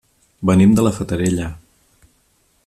Venim de la Fatarella.